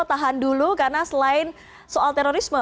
tahan dulu karena selain soal terorisme